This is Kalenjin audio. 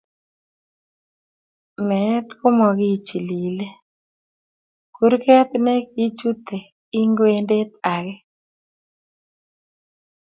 Meet komakichilile, kurgeet ne kichutee ing'wendeet age.